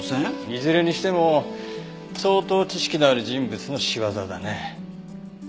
いずれにしても相当知識のある人物の仕業だね。